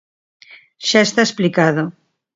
Xa está explicado.